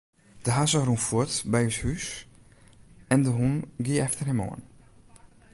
De hazze rûn fuort by ús hús en de hûn gie efter him oan.